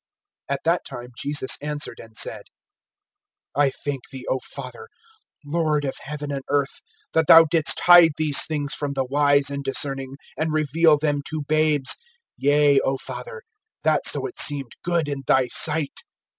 (25)At that time Jesus answered and said: I thank thee, O Father, Lord of heaven and earth, that thou didst hide these things from the wise and discerning, and reveal them to babes; (26)yea, O Father, that so it seemed good in thy sight!